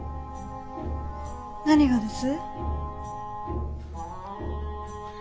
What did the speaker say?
何がです？